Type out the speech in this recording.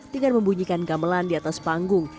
dengan membunyikan gamelan di atas panggung